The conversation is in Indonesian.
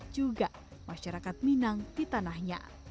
juga masyarakat minang di tanahnya